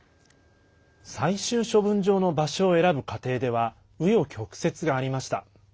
最終処分場の場所を選ぶ過程では紆余曲折がありました。